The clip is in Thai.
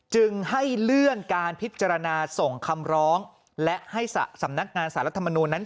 จึงให้เลื่อนการพิจารณาส่งคำร้องและให้สำนักงานสารรัฐมนูลนั้น